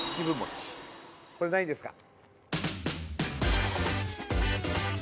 これ何位ですか？